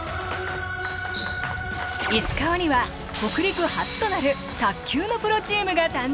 石川には北陸初となる卓球のプロチームが誕生。